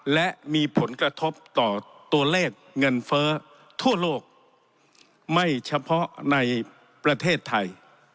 และมีผลกระทบต่อตัวเลขเงินเฟ้อทั่วโลกไม่เฉพาะในประเทศไทย